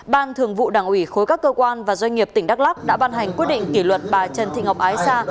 ban thường vụ đảng ủy khối các cơ quan và doanh nghiệp tỉnh đắk lắc đã ban hành quyết định kỷ luật bà trần thị ngọc ái sa